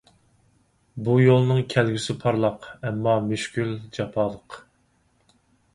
بۇ يولنىڭ كەلگۈسى پارلاق، ئەمما مۈشكۈل، جاپالىق.